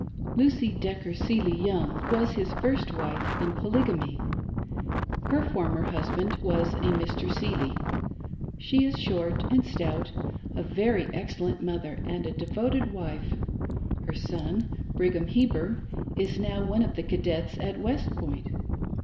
] Lucy Decker Seely Young was his first wife in Polygamy. Her former husband was a Mr. Seely. She is short and stout, a very excellent mother and a devf ted wife. Her son, Brigham Heber, is now one of the cadets at West Point.